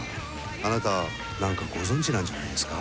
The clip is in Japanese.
あなた何かご存じなんじゃないですか？